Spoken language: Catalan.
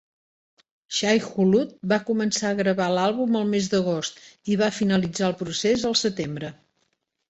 Shai Hulud va començar a gravar l'àlbum el mes d'agost i va finalitzar el procés el setembre.